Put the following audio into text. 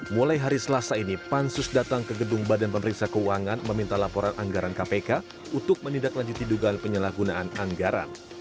mulai hari selasa ini pansus datang ke gedung badan pemeriksa keuangan meminta laporan anggaran kpk untuk menindaklanjuti dugaan penyalahgunaan anggaran